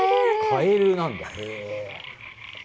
カエルなんだ。